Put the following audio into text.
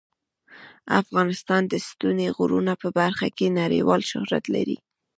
افغانستان د ستوني غرونه په برخه کې نړیوال شهرت لري.